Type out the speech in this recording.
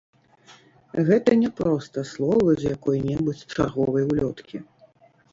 Гэта не проста словы з якой-небудзь чарговай улёткі.